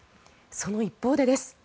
その一方でです。